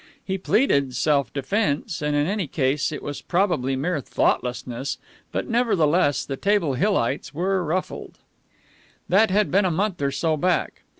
He pleaded self defense, and in any case it was probably mere thoughtlessness, but nevertheless the Table Hillites were ruffled. That had been a month or so back.